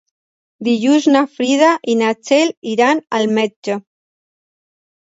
Dijous na Frida i na Txell iran al metge.